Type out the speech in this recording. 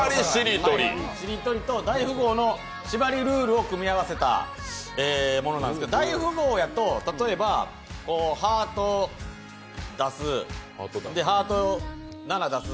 しりとりと大富豪のしばりルールを組み合わせたものなんですけど、大富豪やと例えば、ハートを出す、ハートの７を出す。